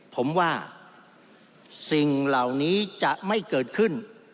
ผมว่าสิ่งเหล่านี้จะไม่เกิดขึ้น